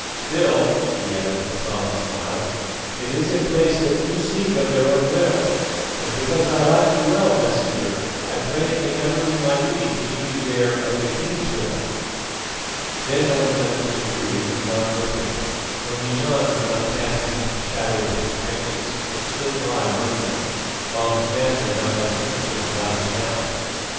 Still," he added with a solemn smile, "it is a place that few seek of their own will, and, because I like you well, Messenger, I pray it may never be my duty to lead you there of the king's will." Then Owen went up to the tree and John with him, only John would not pass beneath the shadow of its branches; but stood by wondering, while his master bound a handkerchief about his mouth.